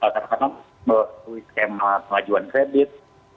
karena mencari skema pengajuan kredit